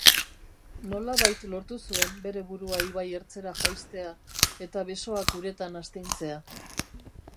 Nolabait lortu zuen bere burua ibai ertzera jaistea, eta besoak uretan astintzea.